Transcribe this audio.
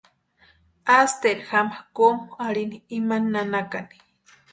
Asteru jáma kómu arhini imani nanakani.